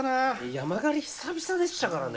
山狩り久々でしたからね。